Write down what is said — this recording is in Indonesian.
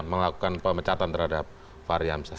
melakukan pemecatan terhadap fahri hamzah